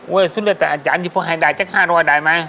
อุ้ยสุดท้ายแต่อาจารย์หยิบพวกหายใดจากข้ารอได้ไหม